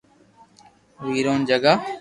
ویرون جگا